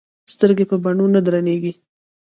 سترګې په بڼو نه درنې ايږي